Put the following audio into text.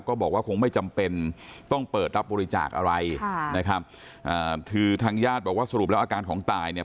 บอกว่าคงไม่จำเป็นต้องเปิดรับบริจาคอะไรค่ะนะครับอ่าคือทางญาติบอกว่าสรุปแล้วอาการของตายเนี่ย